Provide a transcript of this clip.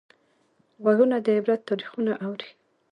غوږونه د عبرت تاریخونه اوري